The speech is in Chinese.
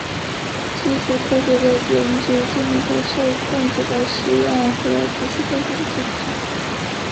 基础科学的研究建立在受控制的实验和仔细观察的基础上。